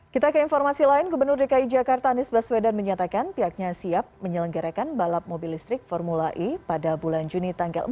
kita ke informasi lain gubernur dki jakarta anies baswedan menyatakan pihaknya siap menyelenggarakan balap mobil listrik formula e pada bulan juni tanggal empat